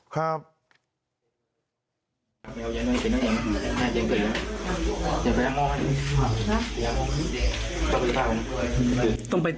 ครับ